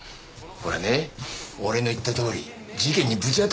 ほらね俺の言ったとおり事件にぶち当たったでしょう？